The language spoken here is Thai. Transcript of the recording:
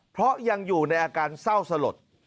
เพราะยังอยู่ในอาการเศร้าสลด